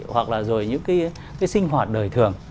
hoặc là rồi những cái sinh hoạt đời thường